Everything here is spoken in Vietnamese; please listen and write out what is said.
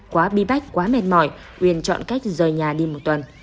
quá bi bách quá mệt mỏi uyên chọn cách rời nhà đi một tuần